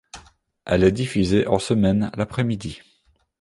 Elle est diffusée en semaine l'après-midi.